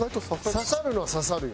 刺さるのは刺さるよ